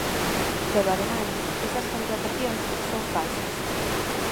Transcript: Pero ademais, esas contratacións son falsas.